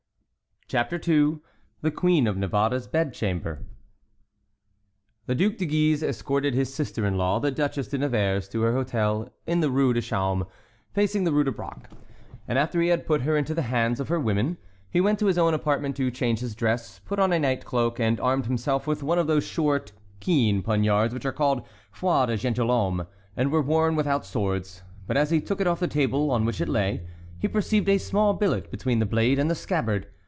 CHAPTER II. THE QUEEN OF NAVARRE'S BEDCHAMBER. The Duc de Guise escorted his sister in law, the Duchess de Nevers, to her hôtel in the Rue du Chaume, facing the Rue de Brac, and after he had put her into the hands of her women, he went to his own apartment to change his dress, put on a night cloak, and armed himself with one of those short, keen poniards which are called "foi de gentilhomme," and were worn without swords; but as he took it off the table on which it lay, he perceived a small billet between the blade and the scabbard.